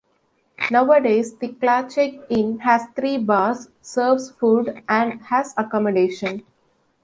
Nowadays the Clachaig Inn has three bars, serves food and has accommodation.